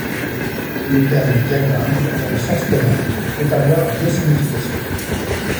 Le terme diagramme dans le sens commun peut avoir deux significations.